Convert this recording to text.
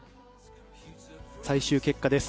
最終結果です。